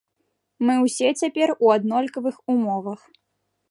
Мы ўсе цяпер у аднолькавых умовах.